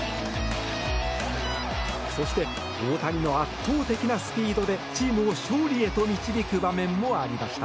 そして大谷の圧倒的なスピードでチームを勝利へと導く場面もありました。